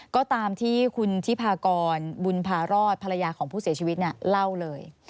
ก็ตามที่คุณทิพากรบุญพารอดภรรยาของผู้เสียชีวิตเล่าเลย